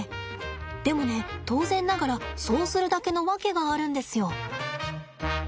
でもね当然ながらそうするだけの訳があるんですよ。